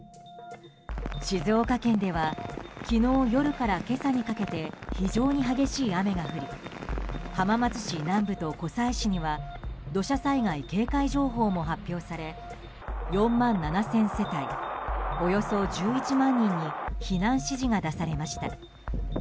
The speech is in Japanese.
静岡県では昨日夜から今朝にかけて非常に激しい雨が降り浜松市南部と湖西市には土砂災害警戒情報も発表され４万７０００世帯およそ１１万人に避難指示が出されました。